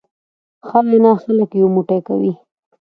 ښه وینا خلک یو موټی کوي.